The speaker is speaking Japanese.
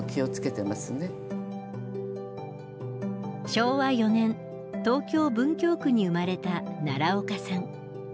昭和４年東京・文京区に生まれた奈良岡さん。